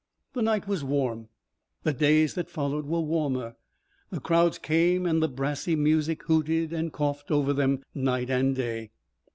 The night was warm. The days that followed were warmer. The crowds came and the brassy music hooted and coughed over them night and day.